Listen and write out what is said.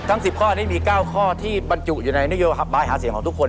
๑๐ข้อนี้มี๙ข้อที่บรรจุอยู่ในนโยบายหาเสียงของทุกคน